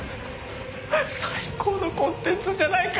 最高のコンテンツじゃないか！